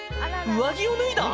上着を脱いだ？